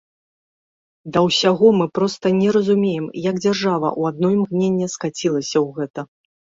Да ўсяго, мы проста не разумеем, як дзяржава ў адно імгненне скацілася ў гэта.